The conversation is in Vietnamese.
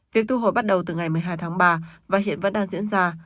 việc thu hồi bắt đầu từ ngày một mươi hai tháng ba và hiện vẫn đang diễn ra